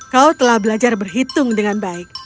kau telah belajar berhitung dengan baik